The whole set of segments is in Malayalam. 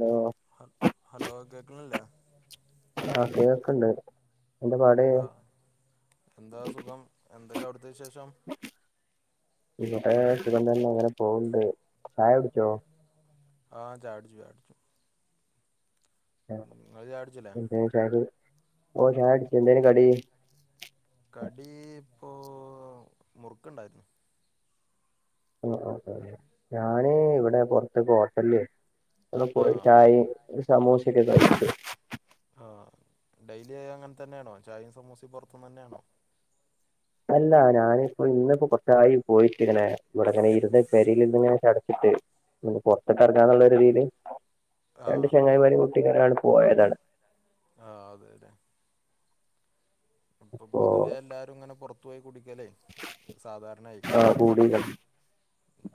ലോ... ഹൽ, ഹലോ. കേക്കണില്ലേ? ആഹ്, കേക്കണ്ട്. ആഹ്, എന്താ സുഖം. എന്തൊക്കെ അവിടുത്തെ വിശേഷം? ഇവിടെ സുഖം തന്നെ. അങ്ങനെ പോവണ്ട്, ചായ കുടിച്ചോ? ആഹ്, ചായ കുട്ചു. ചായ കുട്ചു. ഏഹ്, നിങ്ങള് ചായുടിച്ചില്ലേ എന്തേ ചായക്ക്. ഓ ചായകുടിച്ച് എന്തേന് കടി... കടി... ഇപ്പോ.. മുറുക്കുണ്ടായിരുന്നു. ആഹ്, ആഹ്, ആഹ് ഞാന്... വിടെ പൊറത്ത് ഹോട്ടൽലയ്നി. വിടെ പോയി ആഹ് ചായിം. ഒരു സമൂസിക്കെ കഴിച്ചു. ആഹ്, ഡെയിലി ആയി അങ്ങൻ തന്യാണോ? ചായിം സമൂസിം പൊർത് ന്ന് ന്യേണോ? അല്ല, നാനിപ്പോ, ഇന്നിപ്പോ, കൊറച്ചായി. പോയിട്ട്, ഇങ്ങനെ, ഇവിടെ, ഇങ്ങനെ ഇരുന്ന് പെരയിലിങ്ങനെ ഇരുന്ന് ചടച്ചി ട്ട്... ഒന്ന് പൊറത്ക്ക് എറങ്ങാന്നൊള്ള രിതീ ല്, രണ്ട് ആഹ് ചെങ്ങായിമാരെ കൂട്ടിങ്ങനാണ്ട് പോയതാണ്. ആഹ്, അതെല്ലേ? ഇപ്പ, അപ്പോ പൊതുവെ എല്ലാരും ങ്ങനെ പൊറത്തു പോയി കുടിക്കല് സാധാരണയിക്ണ്. കൂടികൾ.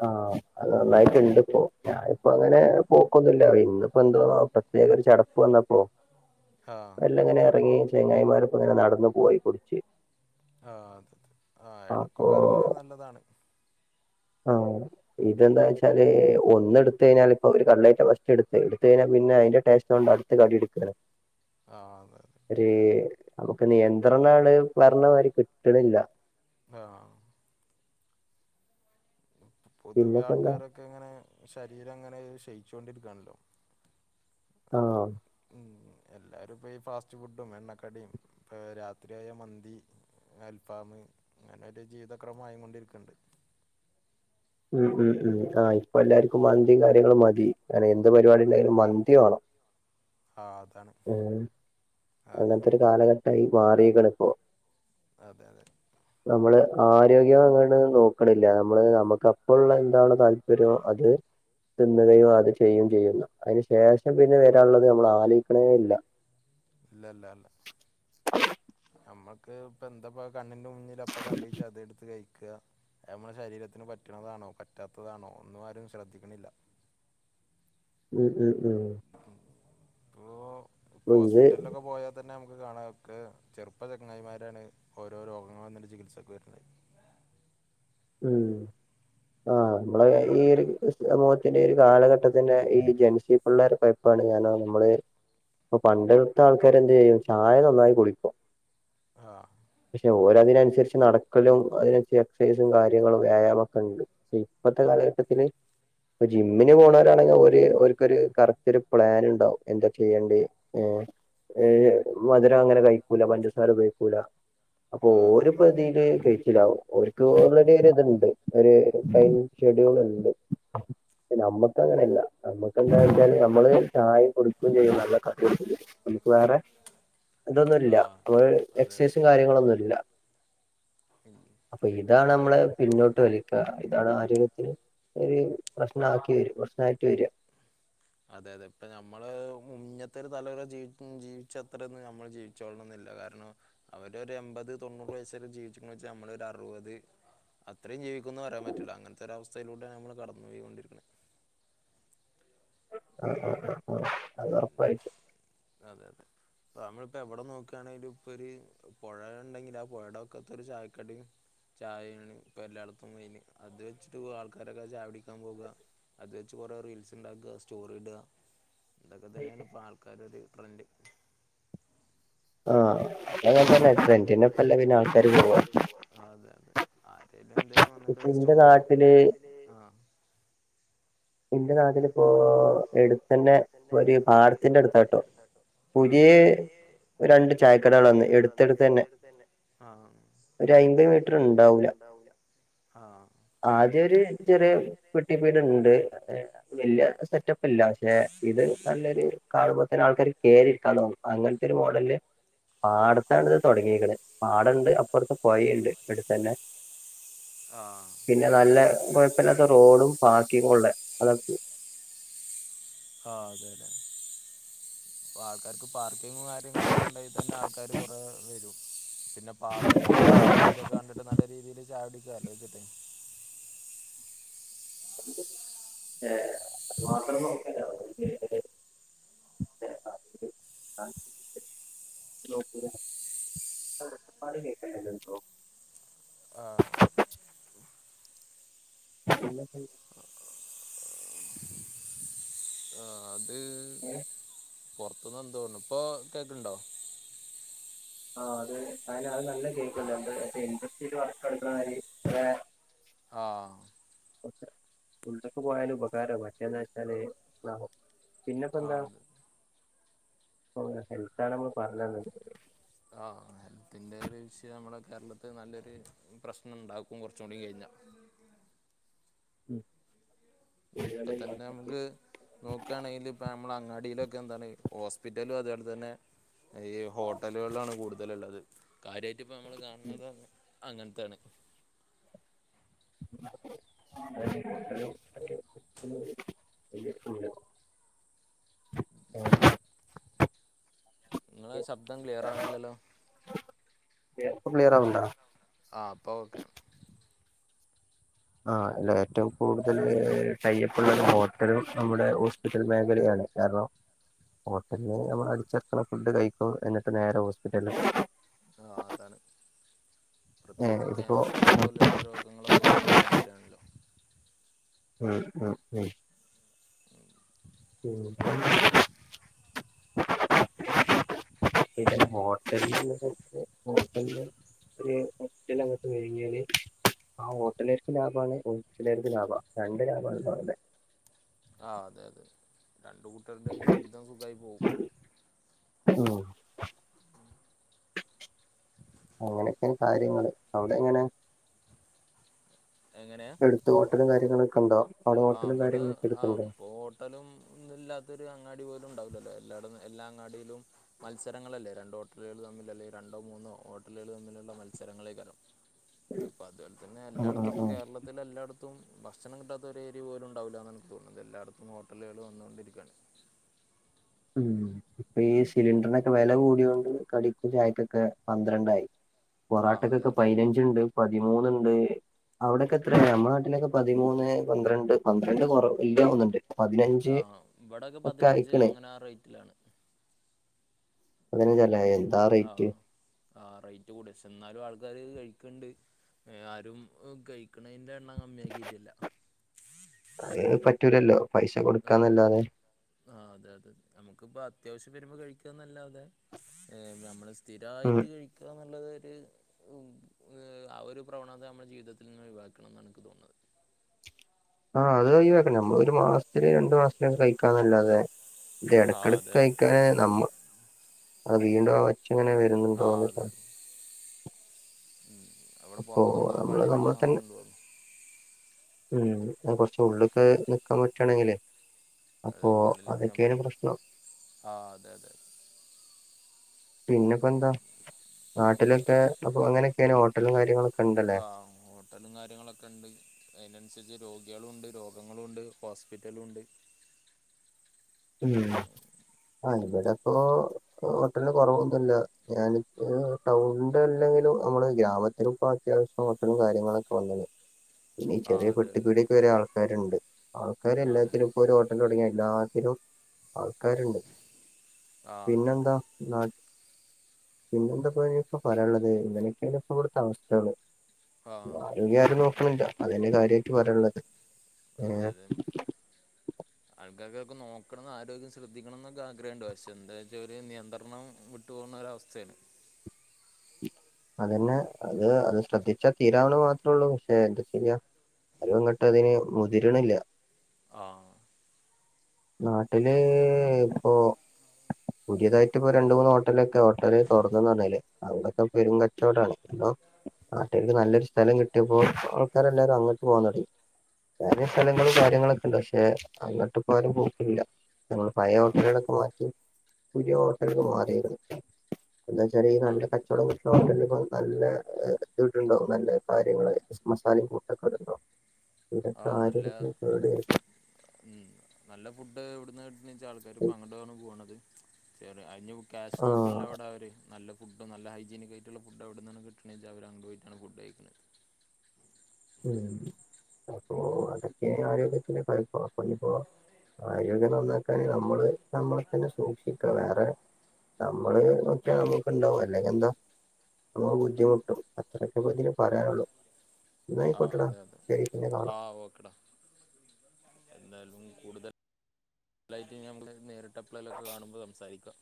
ആഹ്, അത് നന്നായിട്ണ്ട് പ്പോ? ഞാനിപ്പോ, അങ്ങനെ. പോക്കൊന്നു ഇല്ല. ഇന്നിപ്പോ ന്തോ, പ്രത്യേക ഒരു ചടപ്പ് വന്നപ്പോ. ആഹ് മെല്ല ങ്ങനെ എറങ്ങി, ചെങ്ങായിമാരപ്പ ങ്ങനെ നടന്നു പോയി കുടിച്ച്. ആഹ്, അതെ, അതെ. ആഹ്, എ അപ്പോ ടക്കൊക്കെ എറങ്ങണത് നല്ലതാണ്. ആഹ്. ഇതെന്താന്ന് വെച്ചാല്, ഒന്നെടുത്ത് കഴിഞ്ഞാലിപ്പൊ, ഒരു കട്ലയിറ്റ് ഫസ്റ്റ് ടുത്ത്. ടുത്കഴിഞ്ഞാ പിന്നെ അയിന്റെ ടേസ്‌റ്റൊണ്ട് അട് ത്ത കടി എടുക്കലാ? ആഹ്, വെറുതെ. ഒര്, നമുക്ക് നിയന്ത്രണാണ് പറഞ്ഞമാരി കിട്ടണില്ല. ആഹ് പൊതുവെ പിന്നെപ്പോ എന്താ ആൾക്കാരൊക്കെങ്ങനെ, ശരീരംങ്ങനെ, ക്ഷ യിച്ചൊണ്ടിരിക്കാണല്ലോ? അത്, ആഹ് പിന് ഉം, എല്ലാരും പ്പ ഈ ഫാസ്റ്റ് ഫുഡും. എണ്ണക്കടിം, പ്പ രാത്രിയായ മന്തി. അൽഫാമ്, ങ്ങനൊരു ജീവിത ക്രമായിങൊണ്ടിരിക്ക്ണ്ട്. ഉം, ഉം, ഉം ആഹ്, ഇപ്പെല്ലാർക്കും മന്തിം കാര്യങ്ങളും മതി. അല്ല, എന്ത് പരിവാ ടിണ്ടെങ്കിലും മന്തി വാണം. ആ അതാണ് ഏഹ്, ആ അങ്ങൻത്തൊരു കാലഘട്ടായി മാറീക്ക്ണ് പ്പൊ? അതെ, അതെ നമ്മള്, ആരോഗ്യം അങ്ങട്ട് നോക്ക്ണില്ല. നമ്മള് നമുക്ക്... ഇപ്പള്ളന്താണ് താല്പര്യം അത്. തിന്നുകയും അത് ചെയ്യും ചെയ്യുന്ന, അയ്ന് ശേഷം പിന്നെ വരാള്ളത് നമ്മളാലോയ്ക്ക്ണേ ഇല്ല. ഇല്ല, ല്ല, അല്ല. നമ്മക്ക്, ഇപ്പെന്താപ്പ കണ്ണിന്റെ മുന്നില് അപ്പ കണ്ട്ച്ചാ അത്ട്ത്ത് കഴിക്ക. അത് നമ്മടെ ശരീരത്തിന് പറ്റ്ണതാണോ, പറ്റാത്തതാണോ, ഒന്നും ആരും ശ്രദ്ധിക്ക്ണില്ല. ഉം, ഉം, ഉം ഉം, പ്പോ, അപ്പൊ ഇത് പ്പോസ്പിറ്റലിലൊക്കെ പോയാ.... തന്നെ നമക്ക് കാണാം. ഒക്കെ ചെറുപ്പ ചെങ്ങായിമാരാണ് ഓരോ രോഗങ്ങൾ വന്ന്ട്ട് ചികിത്സക്ക് വര്ന്നത്. ഉം ആഹ്, നമ്മളെ ഈ ഒര് സമൂഹത്തിന്റെ, ഒരു കാലഘട്ടത്തിൻ്റെ ഈ ജൻസി... ഉള്ളൊരു കൊയ്പ്പാണ്. കാരണം നമ്മള് ഇപ്പ പണ്ട്.. ഇപ്പത്തൊൾക്കാര് എന്ത് ചെയ്യും. ചായ നന്നായി കുടിക്കും. ആഹ് പക്ഷെ ഓരതിനൻസരിച്ച് നടക്കലും അതിനരിച്ച് എക്സൈസും കാര്യങ്ങളും വ്യായാമൊക്കണ്ട്. ഇപ്പത്തെ കാലഘട്ടത്തില്.... ഇപ്പ ജിമ്മിന് പോണോരാണെങ്കെ ഓര് ഓൽക്കൊര് കറക്റ്റൊര് പ്ലാന്ണ്ടാവും എന്താ ചെയ്യണ്ട് ഏ ഏ മധുരങ്ങനെ കഴിക്കൂല പഞ്ചസാരുപയോഗിക്കൂല അതെ അതെ അപ്പോര്പ്പതീല് കയ്ച്ചിലാവും ഓൽക് ഓൾറെഡീ ഇത്ണ്ട് ഒര് ടൈം ഷെഡ്യൂൾ ഇണ്ട് ഇപ്പ നമ്മക്കങ്ങനല്ല നമ്മക്കെന്താച്ചാല് നമ്മള് ചായ കുടിക്കേം ചെയ്യും നല്ല നമുക്ക് വേറെ ഇതൊന്നുല്ല ആഹ് ഇപ്പൊ അതെ അതെ എക്സൈസും കാര്യങ്ങളൊന്നുല്ല താങ്ക് യു അപ്പൊ ഇതാണ് നമ്മളെ പിന്നോട്ട് വലിക്ക ഇതാണാരോഗ്യത്തിന് ഒര് പ്രശ്നാക്കി വരും പ്രശ്നായിട്ട് വര അതെ അതെ ഇപ്പ നമ്മള് മുന്നത്തെരു തലമുറ ജീ ജീവിച്ചത്രൊന്നും നമ്മള് ജീ ച്ചോളണന്നില്ല കാരണം അവരൊര് എമ്പത് തൊണ്ണൂറ് വയസ്സ് വരെ ജീവിച്ച്ക്ക്ണു വെച്ചാ നമ്മളൊര് അർവത്. അത്രിം ജീവിക്കുംന്ന് പറയാൻ പറ്റൂല അങ്ങൻത്തൊരവസ്ഥയിലൂടെയാണ് നമ്മള് കടന്ന് പോയിക്കൊണ്ടിരിക്ക്ണ് ആഹ് ആഹ് ആഹ് ആഹ് ഉം അതൊറപ്പായിട്ടും അതെ അതെ പ്പ നമ്മളിപ്പെവ്ടെ നോക്കാണെങ്കിലും ഇപ്പൊര് പൊഴ ഇണ്ടെങ്കിൽ ആ പൊഴയുടെ വക്കത്തൊരു ചായക്കടിം ചായേണ് ഇപ്പെല്ലാടത്തും മെയ്ന് അത് വെച്ചിട്ട് ആൾക്കാരൊക്കെ ചായ കുടിക്കാൻ പോക അത് വെച്ച് കൊറേ റീൽസ്ണ്ടാക്ക സ്റ്റോറിട ഇതൊക്കെ തന്നെയാണ് ഇപ്പാൾക്കാരൊര് ട്രെൻഡ് ആഹ് അതങ്ങനെ തന്നെ അതങ്ങൻതന്നെ ട്രെൻഡിന്റെ ഒപ്പല്ലേ പിന്നെ ട്രൻഡിനപ്പല്ലെ ആൾക്കാര് പോവാ പിന്നാൾക്കാര് പോവ ആഹ് അതെ അതെ ആരേലു എന്തേലും ഇപ്പൊ വന്നിട്ടൊര് ഇന്റെ സ്റ്റോറിയോ ഇൻ്റെ നാട്ടില് ആഹ് ഇന്റെ നാട്ടിലിപ്പോ എട്ത്തന്നെ ഒരു പാടത്തിൻ്റെട്ത്താട്ടോ ആഹ് പുതിയേ രണ്ട് ചായക്കടകള് വന്ന് എട്ത്തട്ത്തന്നെ ആഹ് ഒരയ്മ്പ് മീറ്ററ്ണ്ടാവൂല ആഹ് ആദ്യൊര് ചെറിയേ പെട്ടിപ്പീടണ്ട് വല്ല്യ സെറ്റ പ്പല്ല പക്ഷെ ഇത് നല്ലൊര് കാണുമ്പ തന്നെ ആൾക്കാര് കേറിരിക്കാൻ തോന്നും അങ്ങൻത്തൊര് മോഡൽല് പാടത്താണ്ത് തൊടങ്ങീക്ക്ണ് പാടണ്ട് അപ്പൊർത്ത് പൊയീണ്ട് എട്ത്തന്നെ ആഹ് പിന്നെ നല്ല കുഴപ്പില്ലാത്ത റോഡും പാർക്കിങ്ങും ഉള്ള അതൊ ആഹ് അതെ അല്ലെ ഇപ്പൊ ആൾക്കാര്ക്ക് പാർക്കിങ് കാര്യങ്ങളൊക്കെ ഉണ്ടെങ്കിൽ തന്നെ ആൾക്കാര് കുറെ വരും പിന്നെ പാടല്ലേ നല്ല പ്രകൃതിയൊക്കെ കണ്ടിട്ട് നല്ല രീതിയിൽ ചായ കുടിക്കാല്ലോ വച്ചിട്ട് [unintelligible] [unintelligible] [unintelligible] ആഹ് [unintelligible] ആഹ് അത് പുറത്ത്ന്ന് എന്തോ തോന്നുന്നു ഇപ്പോൾ കേൾക്കണ്ടോ ആഹ് അത് അതിനത് അത് നല്ല കേൾക്കുന്നുണ്ട് ഇൻഡസ്ട്രിയിൽ വർക്ക് എടുക്കുന്നമാതിരി ആഹ് ഉള്ളുക്ക് പോയാല് ഉപകാരം മറ്റേതെച്ചാല് പിന്നെപ്പോ എന്താ ആഹ് അത് ഹെൽത്താണ് നമ്മൾ പറഞ്ഞ് വന്നത് ആഹ് ഹെൽത്തിന്റെ ഒരു വിഷയം നമ്മുടെ കേരളത്തില് നല്ലൊരു പ്രശ്നം ഉണ്ടാക്കും കുറച്ച് കൂടി കഴിഞ്ഞാ ഉം ഉം ഇപ്പൊ തന്നെ നമുക്ക് നോക്കുകയാണെങ്കി ഇപ്പ നമ്മൾ അങ്ങാടിയിലൊക്കെ എന്താണ് ഹോസ്പിറ്റലും അത് പോലെ തന്നെ ഈ ഹോട്ടലുകളിലാണ് കൂടുതലുള്ളത് കാര്യയിട്ട് ഇപ്പ നമ്മൾ കാണണുന്നത് അങ്ങനത്താണ് [unintelligible] [inaudible] ആഹ് നിങ്ങള ശബ്ദം ക്ലിയർ ആവ്ണില്ലല്ലോ ഇപ്പോൾ ക്ലിയറാവുണ്ടാ ആഹ് ഇപ്പ ഓക്കെ ആണ് ആഹ് അല്ല ഏറ്റവും കൂടുതൽ കയ്യപ്പുള്ള ഒരു ഹോട്ടലും നമ്മുടെ ഹോസ്പിറ്റൽ മേഖലയാണ് കാരണം ഹോട്ടലിന്ന് നമ്മൾ അടിച്ചർക്കണ ഫുഡ് കഴിക്കും എന്നിട്ട് നേരെ ഹോസ്പിറ്റല് ആഹ് അതാണ് ഏ പ്രത്യേകിച്ച് ഇതിപ്പോ ക്യാൻസർ പോലെയുള്ള രോഗങ്ങളൊക്കെ കൂടിക്കൊണ്ട് വരാണല്ലോ ഉം ഉം ഉം ഉം [inaudible] [inaudible] പിന്നെ ഹോട്ടലിൽ [inaudible] ഹോട്ടലില് ഒര് [unintelligible] അങ്ങോട്ട് കഴിഞ്ഞാല് ആ ഹോട്ടലാർക്ക് ലാഭാണ് ഹോസ്റ്റലാർക്ക് ലാഭ രണ്ട് ലാഭാ ഉണ്ട് അവിടെ ആഹ് അതെ അതെ രണ്ട് കൂട്ടരുടെയും ജീവിതം സുഖമായി പോകും ഉം അങ്ങനെക്കെണ് കാര്യങ്ങള് അവിടെ എങ്ങനാ എങ്ങനെയാ എടുത്ത് ഹോട്ടലും കാര്യങ്ങളൊക്കെ ഉണ്ടോ അവിടെ ആഹ് ഹോട്ടലും ഇവിടെ കാര്യങ്ങളൊക്കെ ആഹ് എടുത്തുണ്ടോ ഇപ്പൊ ഹോ ട്ടലും ഒന്നും ഇല്ലാത്തൊരു അങ്ങാടി പോലും ഉണ്ടാവില്ലല്ലോ എല്ലായിടും എല്ലാ അങ്ങാടിയിലും മത്സരങ്ങളല്ലേ രണ്ടോ ഹോട്ടലുകൾ തമ്മില് അല്ലെ രണ്ടോ മൂന്നോ ഹോട്ടലുകൾ തമ്മിലുള്ള മത്സരങ്ങളേക്കാലം അപ്പൊ അതുപോലെ തന്നെ ഉം ഉം എല്ലായിടത്തും ഇപ്പ ഉം കേരളത്തിലെ എല്ലായിടത്തും ഭക്ഷണം കിട്ടാ ത്തൊരു ഏരിയ പോലും ഉണ്ടാവില്ല എന്ന് എനിക്ക് തോന്നത് എല്ലായിടത്തും ഹോട്ടലുകൾ വന്നൊണ്ടിരിക്കയാണ് ഉം ഇപ്പൊ ഈ സിലിണ്ടറിനൊക്കെ വില കൂടിയൊണ്ട് കടിക്കും ചായക്കൊക്കെ പന്ത്രണ്ടായി ആ അതെ പൊറാട്ടക്കൊക്കെ അതെ പതിനഞ്ച് ഉണ്ട് പതിമൂന്ന്ണ്ട് അവ്ടൊക്ക എത്രേയ നമ്മളെ നാട്ടിലൊക്കെ പതിമൂന്ന് പന്ത്രണ്ട് പന്ത്രണ്ട് കൊറവ് വല്യ ഒന്ന്ണ്ട് പതിനഞ്ച് ഒക്ക അയ്ക്ക്ണ് ആഹ് റേറ്റിലാണ് പതിനഞ്ചല്ലേ എന്താ റെയ്റ്റ് ആഹ് റെയ്റ്റ് കൂടും ക്ഷേ ഇന്നാലും ആൾക്കാര് ഇത് കഴിക്ക്ണ്ട് ഏഹ് ആരും കഴിക്കാണെന്റാ ണ്ണം കമ്മ്യാക്കീട്ടില്ല അയ്ന് പറ്റൂലല്ലൊ പൈസ കൊട്ക്കാന്നല്ലാതെ ആഹ് അതെ അതെ നമുക്കിപ്പൊ അത്യാവശ്യം വരുമ്പൊ കഴിക്കാന്നല്ലാതെ ഏഹ് നമ്മള് ഉം സ്ഥിരായിട്ട് കഴിക്കന്ന്ള്ളതൊര് ഉം ആ ഒര് പ്രവണത ഞമ്മളെ ജീവിതത്തിൽന്ന് ഒഴിവാക്കണംന്നാ എനിക്ക് തോന്ന്ന്നത് ആഹ് അത് ഒഴിവാക്ക്ണം ഞമ്മള് ഒര് മാസ്ത്തില് രണ്ടു മാസത്തില് കഴിക്കാന്നല്ലാതെ ഇയിന്റെ ആ എടക്കെടക്ക് അതെ അതെ കയിക്ക നമ്മ് വീണ്ടും ആ ഒച്ചങ്ങനെ ആഹ് അതെ അതെ ഉം അവടെ അപ്പൊ പൊറത്തെന്തൊ നമ്മള് പണി എന്തൊ നമ്മളെ തന്നെ നടക്ക്ണ്ടോൺ ഉം അത് കൊറ്ച്ച് ഉള്ള്ക്ക് നിക്കാൻ പറ്റുവാണെങ്കിലേ അത് അപ്പൊ ഉള്ളില് ഞാൻ അതൊക്കേണ് പ്രശ്നം ആ അതെ അതെ പിന്നെ ഇപ്പൊ ന്താ നാട്ടിലൊക്കെ അപ്പൊ അങ്ങനൊക്കേണ് ഹോട്ടലും കാര്യങ്ങളും ആഹ് ഹോ ട്ടലും കാര്യങ്ങളൊക്കെ ഇണ്ട് അതിനന്സരിച്ച് രോഗികളും ഉണ്ട് രോഗങ്ങളും ഉണ്ട് ഹോസ്പിറ്റലും ഇണ്ട് ഉം ആഹ് ഇവടെ ഇപ്പോ ഹോട്ടല് കൊറവൊന്നുല്ല ഞാൻ ഇപ്പൊ ടൗണിന്റെ അല്ലെങ്കിലും മ്മള് ഗ്രാമത്തിലും ഇപ്പൊ അത്യാവശ്യം ഹോട്ടലും കാര്യങ്ങളൊക്ക വന്നിനി പിന്നെ ഈ ആ ചെറിയ അതെ പെട്ടി പീടിയേക്ക് വരെ ആൾക്കാര് ഇണ്ട് ആൾക്കാര് അതെ എല്ലാത്തിലും ഇപ്പൊ ഒരു ഹോ ട്ടല് തൊടങ്ങിയാ എല്ലാത്തിലും ആൾക്കാര്ണ്ട് ആ, അതെ അതെ പിന്നെന്താ പിന്നെന്തൊ ഇപ്പഞി പറയാള്ളത് ഇങ്ങനെക്കേണ് ഇവ്ട്ത്തെ അവസ്ഥ ആ അതെ അതെ ആ ഇനി ആരും നോക്ക്ണില്ല അതിന്റെ കാര്യായിട്ട് പറയാള്ളത് അതെലെ ആൾക്കാർകൊക്ക നോക്ക്ണം ആരോഗ്യം ശ്രദ്ധിക്കണം ന്നൊക്കെ ആഗ്രഹണ്ട് പക്ഷെ എന്താച്ചാല് നിയന്ത്രണം ഇട്ട് പോവ്ന്ന ഒര അവസ്ഥേണ് അതന്നെ അത് അത് ശ്രദ്ധിച്ച തീരാവ്ന്ന മാത്രെ ഉള്ളു പക്ഷെ എന്ത ചെയ്യ ആരും അങ്ങട്ട് അതിന് മുതിര്ണില്ല ആഹ് നാട്ടില് ഇപ്പോ പുതിയതായിട്ട് ഇപ്പൊ രണ്ട് മൂന്ന് ഹോട്ടലൊക്ക ഹോട്ടല് തൊറന്നെന്ന് പറഞ്ഞിലെ അവിടൊക്ക പെരും ങ്കച്ചോടാണ് ഇതൊ നാട്ടേർക്ക് നല്ലൊരു സ്ഥലം കിട്ടീപ്പൊ ആൾക്കാരെല്ലാരും അങ്ങ്ട്ട് പോവാൻ തൊടങ്ങി വേറെ ആ അത് സ്ഥലങ്ങളും കാര്യങ്ങളൊക്ക ഇണ്ട് പക്ഷെ അങ്ങ്ട്ട് ഇപ്പാരും പോക്കില്ല നമ്മൾ പഴേ ആ ഹോട്ടലുകളൊക്ക മാറ്റി പുതിയ ഹോട്ടലിക്ക് മാറി എന്താചാല് ആ ഈനല്ല അത് കച്ചോടം കി ഹോട്ടല് ഇപ്പ നല്ല ഏഹ് ഇട്ട്ണ്ടൊ നല്ല കാര്യങ്ങള് മസാലീം കൂട്ടൊക്ക ഇണ്ടൊ ആഹ് നല്ലാ ഉം നല്ല ഫുഡ്ഡ് ഇവിടുന്ന് ന്ന്ച ആൾക്കാർ വരുത്തി ഇപ്പ അങ്ങ്ട്ടാണ് പോണത്. ചെ അയിന് ക്യാഷ് ആ നോക്ക്ണില്ല അവടെ അവര് നല്ല ഫുഡ്ഡും നല്ല ഹയ്ജീനിക്ക് ആയിട്ട്ള്ള ഫുഡ്ഡ് അവ്ട്ന്നാണ് കിട്ട്ണെച അവര് അവടെ പോയിട്ട ഫുഡ്ഡ് കഴിക്ക്ണെ ഉം അപ്പൊ അതൊക്കെ ആരോഗ്യത്തിന് കൊഴപ്പ പൊ അയിന്പൊ ആരോഗ്യം നന്നാക്കാന് ഞമ്മള് നമ്മളെ തന്നെ സൂക്ഷിക്ക വേറെ നമ്മള് ഒക്കെ നമുക്ക് ഇണ്ടാവും അല്ലെങ്കി എന്ത നമ്മക്ക് ബുദ്ധിമുട്ടും അത്രെക്കെ അതിന് പറയാള്ളു ആഹ് അതെ അതെ പിന്നെ കാണാം ആഹ് ഓക്കെടാ എന്തായാലും കൂട്തല് ലയ്റ്റ് നേരി എപ്പ്ളേലൊക്ക കാണുമ്പ സംസാരിക്ക